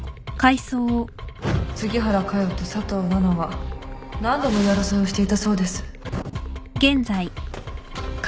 杉原佳代と佐藤奈々は何度も言い争いをしていたそうです